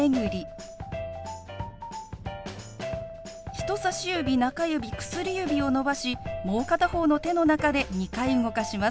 人さし指中指薬指を伸ばしもう片方の手の中で２回動かします。